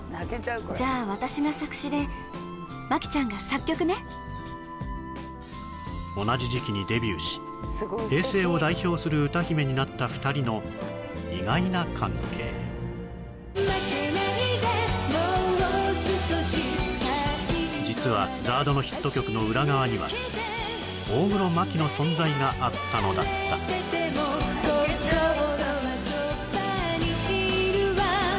じゃあ私が作詞で摩季ちゃんが作曲ね同じ時期にデビューし平成を代表する歌姫になった２人の意外な関係負けないでもう少し実はＺＡＲＤのヒット曲の裏側には大黒摩季の存在があったのだった心はそばにいるわ